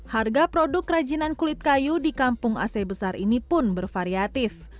harga produk kerajinan kulit kayu di kampung ac besar ini pun bervariatif